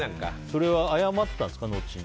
それは謝ったんですか？